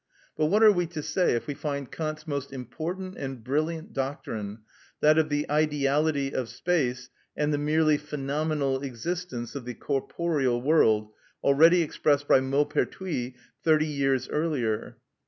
But what are we to say if we find Kant's most important and brilliant doctrine, that of the ideality of space and the merely phenomenal existence of the corporeal world, already expressed by Maupertuis thirty years earlier?